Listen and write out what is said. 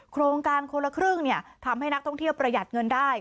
โครงการคนละครึ่งทำให้นักท่องเที่ยวประหยัดเงินได้